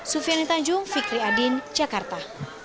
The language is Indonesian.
sufianita jung fikri adin jakarta